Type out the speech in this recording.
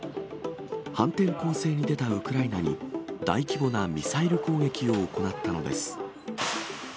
反転攻勢に出たウクライナに、大規模なミサイル攻撃を行ったのです。